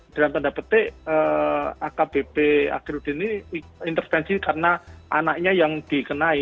dalam tanda petik akbp akhirudin ini intervensi karena anaknya yang dikenai